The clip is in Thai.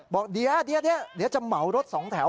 บอกเดี๋ยวเดี๋ยวจะเหมารถสองแถว